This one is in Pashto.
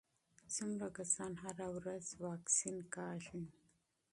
څومره کسان هره ورځ واکسین کېږي؟